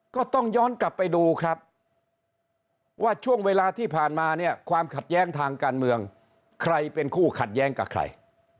ก็ต้องย้อนกลับไปดูครับว่าช่วงเวลาที่ผ่านมาเนี่ยความขัดแย้งทางการเมืองใครเป็นคู่ขัดแย้งกับใคร